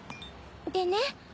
でね